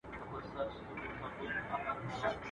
چي په ټولو حیوانانو کي نادان وو.